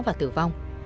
và tử vong